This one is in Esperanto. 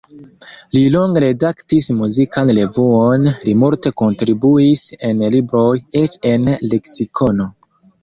Li longe redaktis muzikan revuon, li multe kontribuis en libroj, eĉ en leksikono.